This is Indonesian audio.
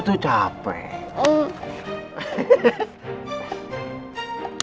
ngap itu dapet